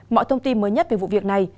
mọi thông tin mới nhất về vụ việc này